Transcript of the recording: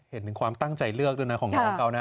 เห็นถึงความตั้งใจเลือกด้วยนะของน้องเขานะ